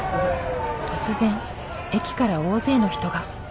突然駅から大勢の人が。